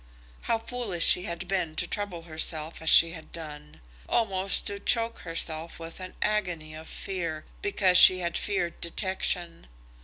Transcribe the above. How foolish she had been to trouble herself as she had done, almost to choke herself with an agony of fear, because she had feared detection.